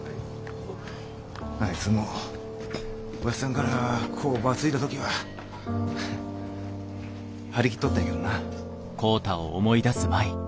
あいつもおやじさんから工場継いだ時は張り切っとったんやけどなぁ。